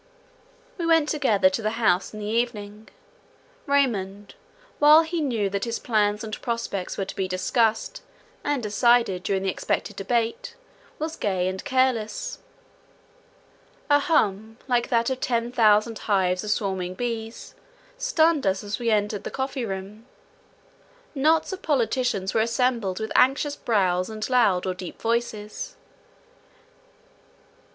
We went together to the House in the evening. Raymond, while he knew that his plans and prospects were to be discussed and decided during the expected debate, was gay and careless. An hum, like that of ten thousand hives of swarming bees, stunned us as we entered the coffee room. Knots of politicians were assembled with anxious brows and loud or deep voices.